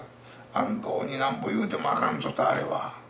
安藤になんぼ言うてもあかんぞとあれは。